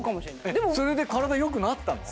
それで体良くなったの？